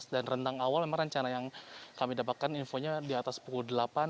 dan renang awal memang rencana yang kami dapatkan infonya di atas pukul delapan